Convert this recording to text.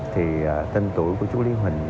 thì tên tuổi của chú lý huỳnh